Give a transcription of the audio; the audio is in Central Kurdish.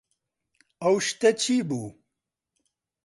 ئەو شتە چی بوو؟